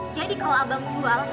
jadi kalo abang jual